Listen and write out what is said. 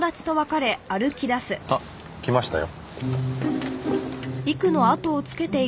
あっ来ましたよ。